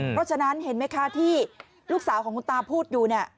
เพราะฉะนั้นเห็นไหมคะที่ลูกสาวของคุณตาพูดอยู่เนี่ย